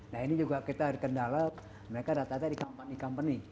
nah ini juga kita kendala mereka data data di company company